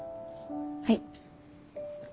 はい。